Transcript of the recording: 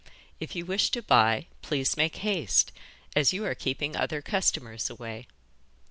'If you wish to buy, please make haste, as you are keeping other customers away.